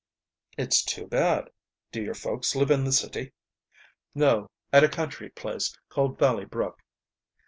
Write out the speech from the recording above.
"It's too bad. Do your folks live in the city?" "No; at a country place called Valley Brook."